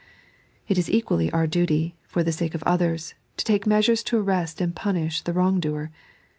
It is equally our duty, for the sake of others, to take measures to arrest and punish the wrong doer.